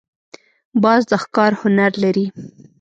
باز د ښکار هنر لري